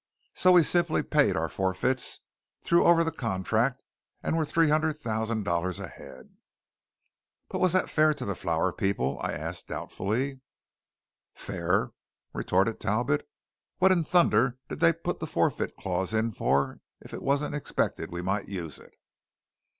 So we simply paid our forfeits, threw over the contract, and were three hundred thousand ahead." "But was that fair to the flour people?" I asked doubtfully. "Fair?" retorted Talbot. "What in thunder did they put the forfeit clause in for if it wasn't expected we might use it?"